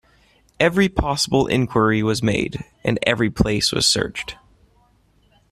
Every possible inquiry was made, and every place was searched.